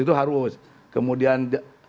itu harus kemudian